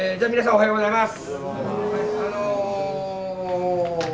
おはようございます。